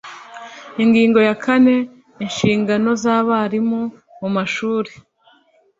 ingingo ya kane inshingano z abarimu muma shuri.